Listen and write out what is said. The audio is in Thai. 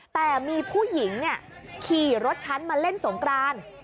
แต่มีผู้หญิงขี่รถฉันมาเล่นสงกราน